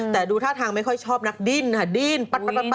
แต่ดูท่าทางไม่ค่อยชอบนักดิ้นค่ะดิ้นปัด